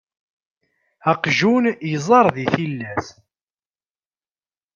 Aqjun iẓerr deg tillas.